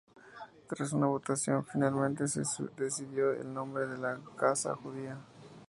Tras una votación, finalmente se decidió el nombre de "La Casa Judía".